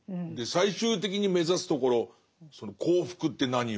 最終的に目指すところその幸福って何よ？ですよね。